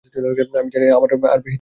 আমি জানি, আমার আর বেশি দিন নাই।